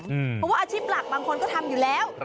เพราะว่าอาชีพหลักบางคนก็ทำอยู่แล้ว